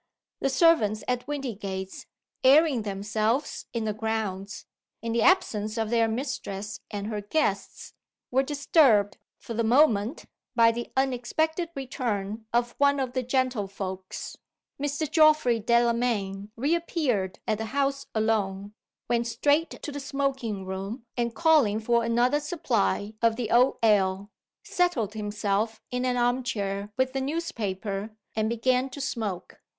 The servants at Windygates, airing themselves in the grounds in the absence of their mistress and her guests were disturbed, for the moment, by the unexpected return of one of "the gentlefolks." Mr. Geoffrey Delamayn reappeared at the house alone; went straight to the smoking room; and calling for another supply of the old ale, settled himself in an arm chair with the newspaper, and began to smoke.